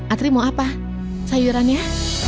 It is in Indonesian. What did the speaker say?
adri mau apa sayurannya